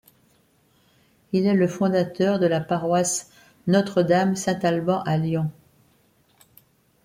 Il est le fondateur de la paroisse Notre-Dame-Saint-Alban à Lyon.